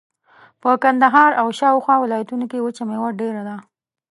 په کندهار او شاوخوا ولایتونو کښې وچه مېوه ډېره ده.